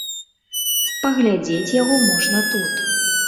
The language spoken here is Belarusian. Паглядзець яго можна тут.